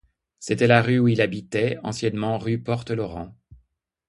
C'était la rue où il habitait, anciennement rue Porte-Laurent.